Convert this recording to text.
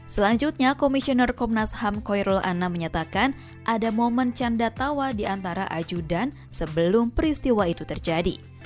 selanjutnya komisioner komnas ham koirul anna menyatakan ada momen canda tawa diantara ajudan sebelum peristiwa itu terjadi